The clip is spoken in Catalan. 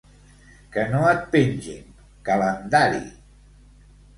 Que no et pengin, calendari!